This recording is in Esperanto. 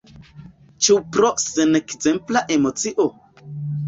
Ĉu pro senekzempla emocio?